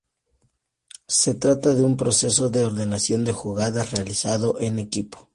Se trata de un proceso de ordenación de jugadas realizado en equipo.